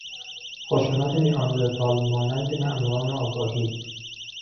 خشونت نئاندرتال مانند ماموران آگاهی